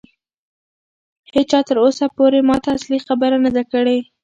هیچا تر اوسه پورې ماته اصلي خبره نه ده کړې.